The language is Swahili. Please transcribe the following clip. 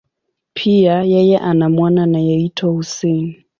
Pia, yeye ana mwana anayeitwa Hussein.